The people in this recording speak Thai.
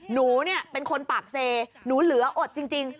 หนูเป็นคนปากเสหนูเหลืออดจริง